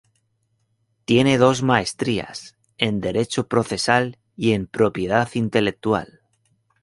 Tiene dos maestrías: en Derecho Procesal y en Propiedad Intelectual.